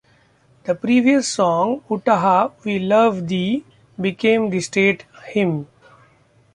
The previous song, "Utah, We Love Thee" became the State Hymn.